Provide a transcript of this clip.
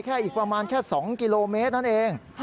อีกประมาณแค่๒กิโลเมตรนั่นเอง